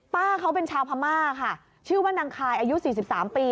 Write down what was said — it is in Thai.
ป้าเขาเป็นชาวพม่าค่ะชื่อว่านางคายอายุ๔๓ปี